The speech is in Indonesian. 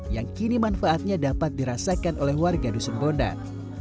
yang kini manfaatnya dapat dirasakan oleh warga dusun bondan